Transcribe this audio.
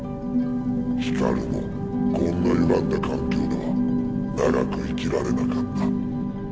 ヒカルもこんなゆがんだ環境では長く生きられなかった。